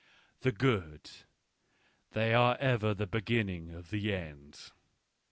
" The good — they are ever the beginning of the end.